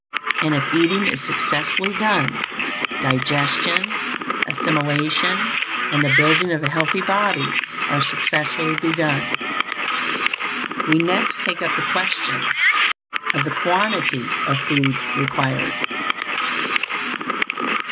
And if eating is successfully done, digestion, assimilation, and the building of a healthy body are successfully begun. We next take up the question of the quantity of food required.